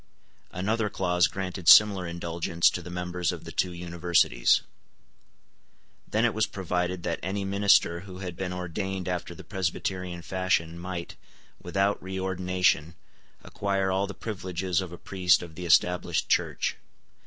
Another clause granted similar indulgence to the members of the two universities. Then it was provided that any minister who had been ordained after the Presbyterian fashion might, without reordination, acquire all the privileges of a priest of the Established Church.